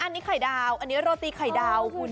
อันนี้ไข่ดาวอันนี้โรตีไข่ดาวคุณ